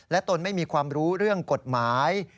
ตนไม่มีความรู้เรื่องกฎหมาย